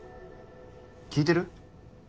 聞いてる？